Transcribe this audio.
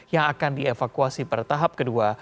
yang akan dievakuasi pada tahap kedua